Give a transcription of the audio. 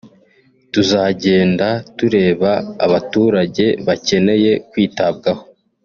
tuzagenda tureba abaturage bakeneye kwitabwabo